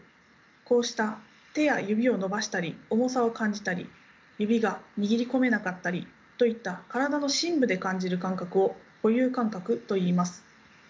こうした手や指を伸ばしたり重さを感じたり指が握り込めなかったりといった体の深部で感じる感覚を固有感覚といいます。